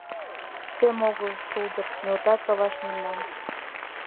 Сем огыл — шулдыр: Нӧлта каваш мемнам!